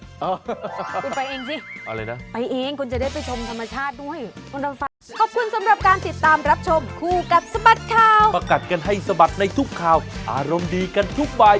อ้าวไปเองซิไปเองก็จะได้ไปชมธรรมชาติด้วย